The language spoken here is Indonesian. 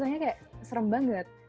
rasanya kayak serem banget